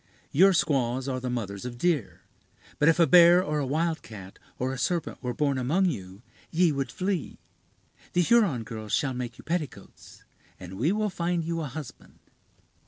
Your squaws are the mothers of deer; but if a bear, or a wildcat, or a serpent were born among you, ye would flee. The Huron girls shall make you petticoats, and we will find you a husband."